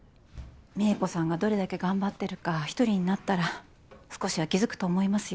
美恵子さんがどれだけ頑張ってるか１人になったら少しは気付くと思いますよ